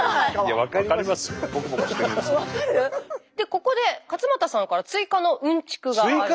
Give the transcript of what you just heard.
ここで勝俣さんから追加のうんちくが。